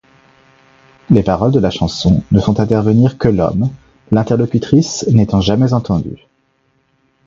Les paroles de la chanson ne font intervenir que l'homme, l'interlocutrice n'étant jamais entendue.